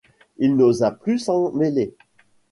On n’osa plus s’en mêler.